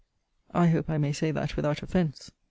I hope I may say that without offence.